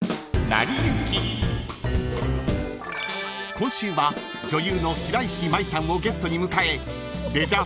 ［今週は女優の白石麻衣さんをゲストに迎えレジャー